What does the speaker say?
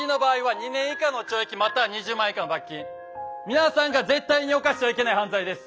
皆さんが絶対に犯してはいけない犯罪です。